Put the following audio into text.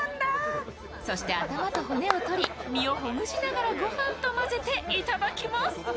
そして頭と骨を取り身をほぐしながらごはんと混ぜていただきます。